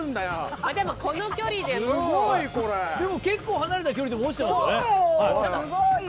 でも結構、離れた距離でも落ちてますよね。